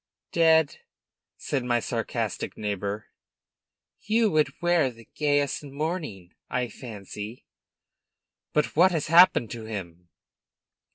" dead?" said my sarcastic neighbor. "You would wear the gayest mourning, I fancy!" "But what has happened to him?"